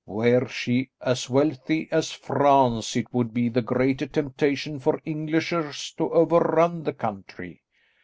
Were she as wealthy as France it would be the greater temptation for Englishers to overrun the country.